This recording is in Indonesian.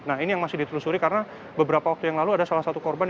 nah ini yang masih ditelusuri karena beberapa waktu yang lalu ada salah satu korban